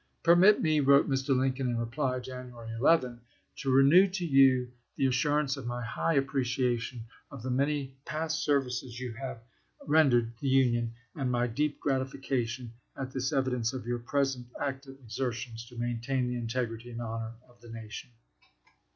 Permit me," wrote ms. Mr. Lincoln in reply, January 11, " to renew to you the assurance of my high appreciation of the many past services you have rendered the Union, and my deep gratification at this evidence of your present GenCscnott0, active exertions to maintain the integrity and honor dUMs. 8fal of the nation."